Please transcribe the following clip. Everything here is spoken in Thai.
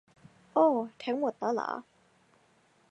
โอ้ ทั้งหมดแล้วหรอ